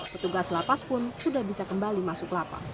petugas lapas pun sudah bisa kembali masuk lapas